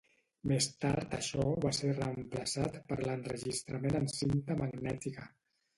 Més tard això va ser reemplaçat per l'enregistrament en cinta magnètica.